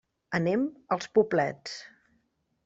Anem als Poblets.